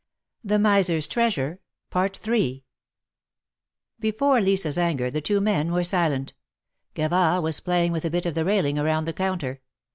THE MARKETS OF PARIS. 99 Before Lisa's anger, the two men were silent. Gavard was playing with a bit of the railing around the counter.